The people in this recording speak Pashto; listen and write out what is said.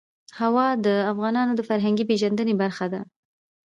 هوا د افغانانو د فرهنګي پیژندنې برخه ده.